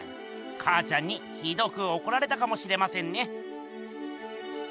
かあちゃんにひどくおこられたかもしれませんね。